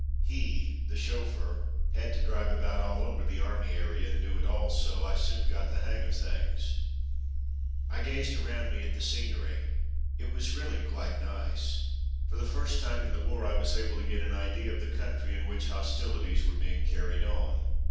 He, the chauffeur, had to drive about all over the army area and knew it all so I soon got the hang of things. I gazed around me at the scenery; it was really quite nice. For the first time in the war I was able to get an idea of the country in which hostilities were being carried on.